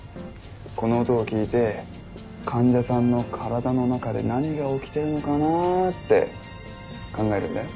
この音を聞いて患者さんの体の中で何が起きてるのかなって考えるんだよ。